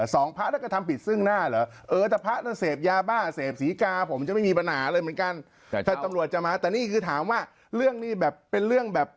สองพระแล้วก็ทำผิดซึ่งหน้าเหรอ